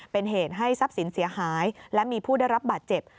เป็นเหตุให้ทรัพย์สินเสียหายและมีผู้ได้รับบาดเจ็บ